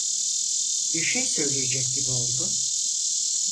Bir şey söyleyecek gibi oldu.